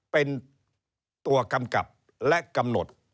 เป็นตัวกำกับและกำหนด